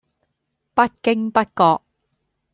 不經不覺